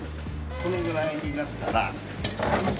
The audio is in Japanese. このぐらいになったら。